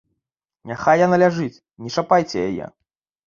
Няхай яна ляжыць, не чапайце яе.